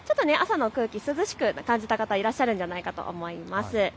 朝の空気、涼しく感じた方いらっしゃるんじゃないかと思います。